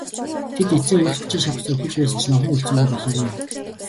Тэд эцсээ хүртэл хүчээ шавхсаар үхэж байсан ч номхон хүлцэнгүй болоогүй юм.